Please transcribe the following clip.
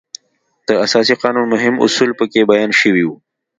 د اساسي قانون مهم اصول په کې بیان شوي وو.